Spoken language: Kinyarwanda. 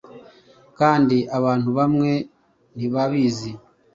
kandi abantu bamwe ntibabizi